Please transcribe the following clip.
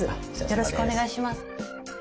よろしくお願いします。